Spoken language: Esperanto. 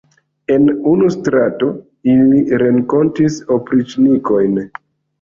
En unu strato ili renkontis opriĉnikojn.